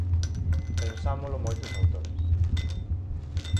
Pensámolo moitos autores.